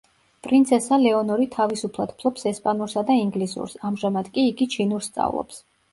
პრინცესა ლეონორი თავისუფლად ფლობს ესპანურსა და ინგლისურს, ამჟამად კი იგი ჩინურს სწავლობს.